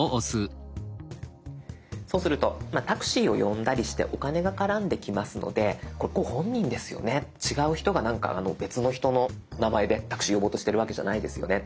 そうするとタクシーを呼んだりしてお金が絡んできますのでこれご本人ですよね違う人が別の人の名前でタクシー呼ぼうとしてるわけじゃないですよね。